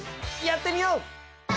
やってみよう！